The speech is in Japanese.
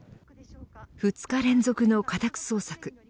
２日連続の家宅捜索。